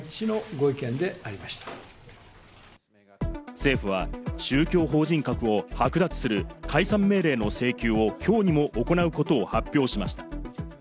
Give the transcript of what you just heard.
政府は宗教法人格を剥奪する解散命令の請求をきょうにも行うことを発表しました。